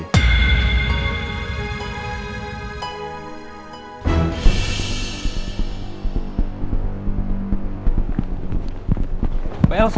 tenaga kel topik